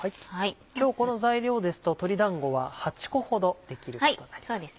今日この材料ですと鶏だんごは８個ほどできることになります。